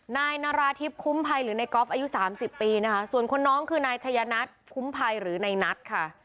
นายนาราธิบคุ้มภัยหรือในก๊อฟอายุสามสิบปีนะคะส่วนคนน้องคือนายชัยนัทคุ้มภัยหรือในนัทค่ะ